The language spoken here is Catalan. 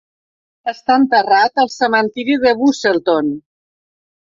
Està enterrat al cementiri de Busselton.